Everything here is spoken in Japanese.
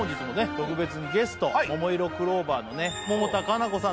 特別にゲストももいろクローバーＺのね百田夏菜子さん